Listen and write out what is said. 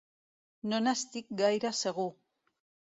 No n'estic gaire segur.